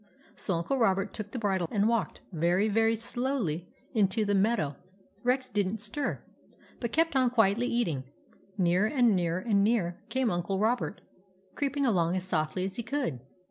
So Uncle Robert took the bridle and walked very, very slowly into the meadow Rex did n't stir, but kept on quietly eating. Nearer and nearer and nearer came Uncle Robert, creeping along as softly as he could.